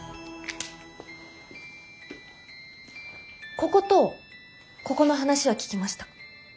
こことここの話は聞きました。